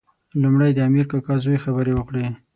لومړی د امیر کاکا زوی خبرې وکړې.